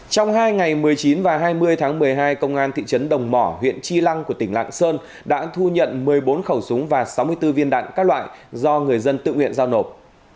trong hai ngày một mươi chín và hai mươi tháng một mươi hai công an thị trấn đồng mỏ huyện chi lăng của tỉnh lạng sơn đã thu nhận một mươi bốn khẩu súng và sáu mươi bốn viên đạn các loại do người dân tự nguyện giao nộp